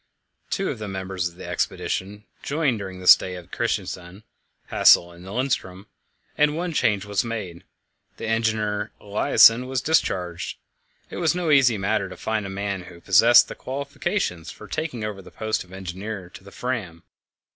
Two of the members of the expedition joined during the stay at Christiansand Hassel and Lindström and one change was made: the engineer Eliassen was discharged. It was no easy matter to find a man who possessed the qualifications for taking over the post of engineer to the Fram.